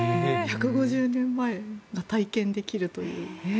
１５０年前が体験できるという。